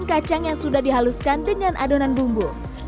kacang yang sudah dihaluskan dengan adonan bumbu